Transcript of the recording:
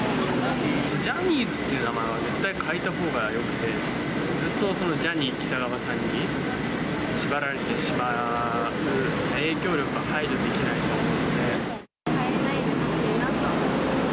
ジャニーズっていう名前は絶対変えたほうがよくて、ずっとジャニー喜多川さんに縛られてしまう、影響力は排除できな変えないでほしいなと思う。